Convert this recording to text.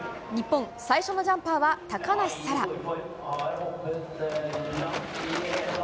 日本、最初のジャンパーは高梨沙羅。